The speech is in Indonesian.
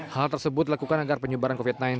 hal tersebut dilakukan agar penyebaran covid sembilan belas